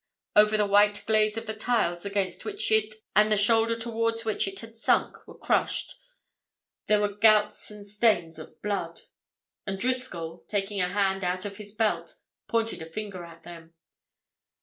Over the white glaze of the tiles against which it and the shoulder towards which it had sunk were crushed there were gouts and stains of blood. And Driscoll, taking a hand out of his belt, pointed a finger at them.